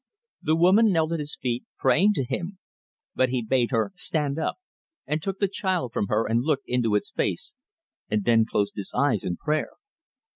The woman knelt at his feet, praying to him; but he bade her stand up, and took the child from her, and looked into its face, and then closed his eyes in prayer.